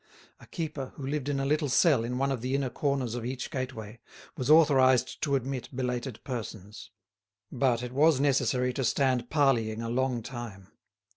A keeper, who lived in a little cell in one of the inner corners of each gateway, was authorised to admit belated persons. But it was necessary to stand parleying a long time.